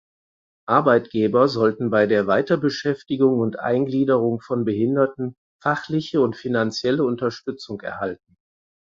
Arbeitgeber sollten bei der Weiterbeschäftigung und Eingliederung von Behinderten fachliche und finanzielle Unterstützung erhalten.